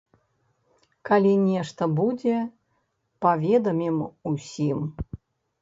Калі нешта будзе, паведамім усім.